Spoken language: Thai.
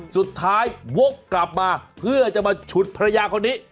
สุดท้ายวกกลับมาเพื่อจะมาฉุดภรรยาคนนี้